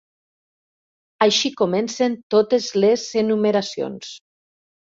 Així comencen totes les enumeracions.